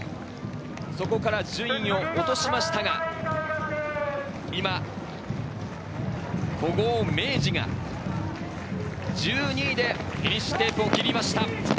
そこから順位を落としましたが、古豪・明治が１２位でフィニッシュテープを切りました。